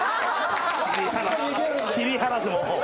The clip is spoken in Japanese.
切り離すもう。